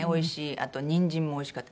あとニンジンもおいしかった。